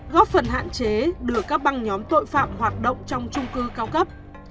góp phần hạn chế đưa các băng nhóm tội phạm hoạt động trong trung cư cao cấp